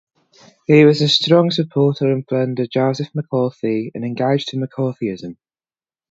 He was a strong supporter and friend of Joseph McCarthy and engaged in McCarthyism.